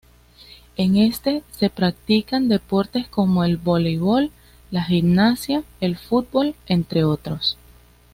En este se practican deportes como el Voleibol, la Gimnasia, el Futbol entre otros.